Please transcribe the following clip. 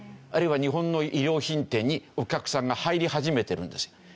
あるいは日本の衣料品店にお客さんが入り始めてるんですよ。